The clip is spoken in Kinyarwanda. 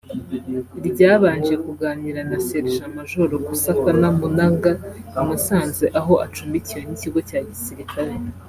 ryabanje kuganira na Sergent majoro Kusakana Munanga imusanze aho acumbikiwe n’ikigo cya gisirikare